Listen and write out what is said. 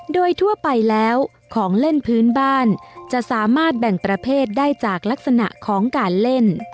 โดยทั่วไปแล้วของเล่นพื้นบ้านจะสามารถแบ่งประเภทได้จากลักษณะของการเล่น